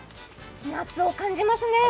夏を感じますねー。